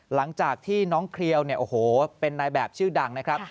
หลังจากที่น้องเครียวเนี่ยโอ้โหเป็นนายแบบชื่อดังนะครับ